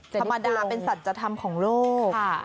ธรรมดาเป็นศรัสตร์ธรรมของโลก